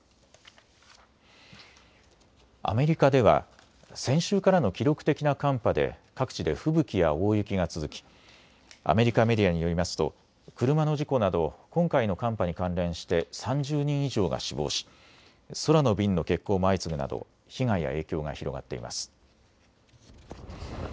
アメリカでは先週からの記録的な寒波で各地で吹雪や大雪が続きアメリカメディアによりますと車の事故など今回の寒波に関連して３０人以上が死亡し、空の便の欠航も相次ぐなど被害や影響が広がっています。